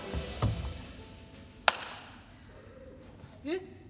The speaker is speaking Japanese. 「えっ」。